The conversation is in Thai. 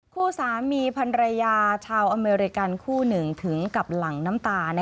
คู่สามีพันรยาชาวอเมริกันคู่หนึ่งถึงกับหลั่งน้ำตา